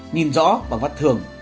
nhìn rõ bằng vắt thường